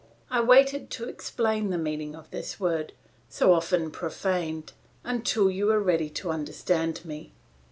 I waited to explain the meaning of this word, so often profaned, until you were ready to understand me.